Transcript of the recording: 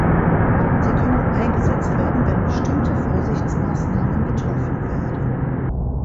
Sie können eingesetzt werden, wenn bestimmte Vorsichtsmaßnahmen getroffen werden.